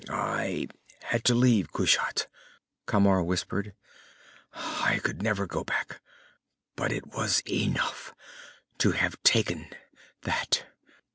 "I had to leave Kushat," Camar whispered. "I could never go back. But it was enough to have taken that."